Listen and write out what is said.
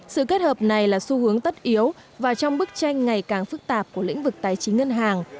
sự kết hợp này là xu hướng tất yếu và trong bức tranh ngày càng phức tạp của lĩnh vực tài chính ngân hàng